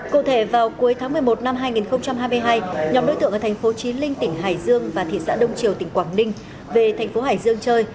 cụ thể vào cuối tháng một mươi một năm hai nghìn hai mươi hai nhóm đối tượng ở thành phố trí linh tỉnh hải dương và thị xã đông triều tỉnh quảng ninh về thành phố hải dương chơi